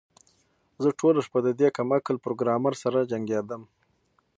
زه ټوله شپه د دې کم عقل پروګرامر سره جنګیدم